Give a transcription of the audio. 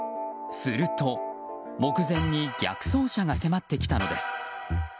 すると、目前に逆走車が迫ってきたのです。